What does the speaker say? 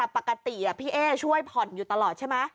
ปกติพี่เอ๊ช่วยผ่อนอยู่ตลอดใช่ไหม